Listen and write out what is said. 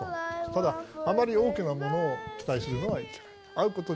ただ、あまり大きなものを期待するのはいけないと。